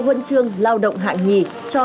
huân chương lao động hạng nhì cho